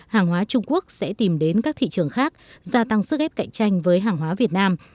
hàng hóa trung quốc sẽ tìm đến các thị trường khác gia tăng sức ép cạnh tranh với hàng hóa việt nam